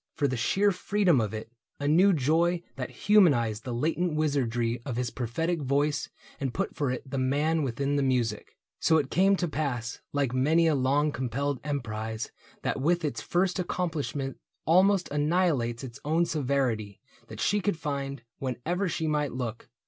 For the sheer freedom of it — a new joy That humanized the latent wizardry Of his prophetic voice and put for it The man within the music. So it came To pass, like many a long compelled emprise That with its first accomplishment almost Annihilates its own severity, That she could find, whenever she might look.